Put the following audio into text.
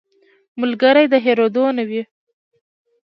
ملګری د هېرېدو نه وي